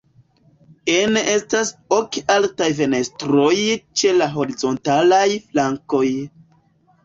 Ene estas ok altaj fenestroj ĉe la horizontalaj flankoj.